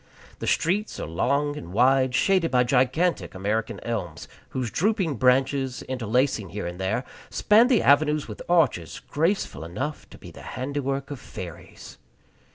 The streets are long and wide, shaded by gigantic American elms, whose drooping branches, interlacing here and there, span the avenues with arches graceful enough to be the handiwork of fairies.